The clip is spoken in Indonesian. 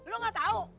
lu gak tau